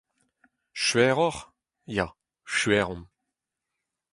Skuizh oc'h ? Ya, skuizh omp.